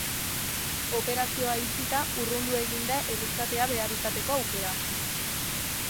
Operazioa itxita, urrundu egin da erreskatea behar izateko aukera.